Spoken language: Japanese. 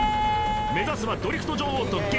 目指すはドリフト女王と激